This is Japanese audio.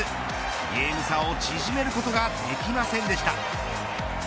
ゲーム差を縮めることができませんでした。